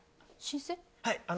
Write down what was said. はい。